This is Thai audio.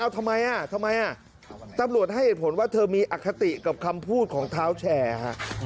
ทำไมทำไมตำรวจให้เหตุผลว่าเธอมีอคติกับคำพูดของเท้าแชร์ฮะ